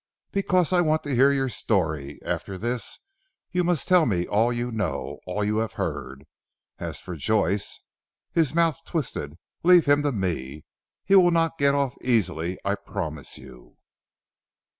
"Because I want to hear your story. After this, you must tell me all you know; all you have heard. As for Joyce," his mouth twisted, "leave him to me. He will not get off easily I promise you."